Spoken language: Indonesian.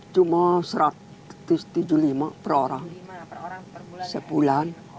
cuma satu ratus tujuh puluh lima per orang sebulan